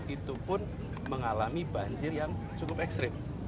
itu pun mengalami banjir yang cukup ekstrim